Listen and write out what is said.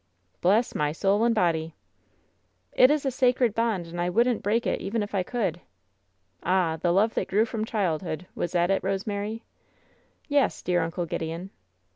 "Bless my soul and body!" "It is a sacred bond, and I wouldn't break it even if I could." "Ah! the love that grew from childhood — was that it, Rosemary?" "Yes, dear Uncle Gideon."